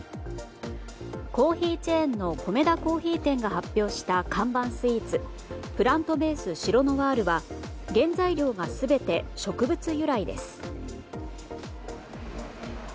コーヒーチェーンのコメダ珈琲店が発表した看板スイーツプラントベースシロノワールは原材料が全て植物由来です。